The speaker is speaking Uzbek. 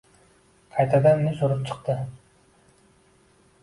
qaytadan nish urib chiqdi.